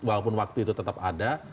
walaupun waktu itu tetap ada